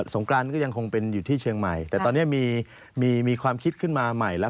งกรานก็ยังคงเป็นอยู่ที่เชียงใหม่แต่ตอนนี้มีมีความคิดขึ้นมาใหม่แล้ว